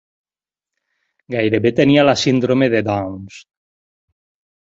Gairebé tenia la síndrome de Downs.